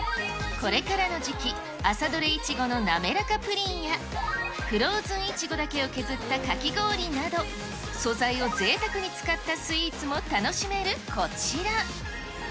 これからの時期、朝取れイチゴのなめらかプリンや、フローズンイチゴだけを削ったかき氷など、素材をぜいたくに使ったスイーツも楽しめるこちら。